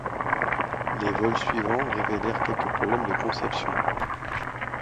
Les vols suivant révélèrent quelques problèmes de conception.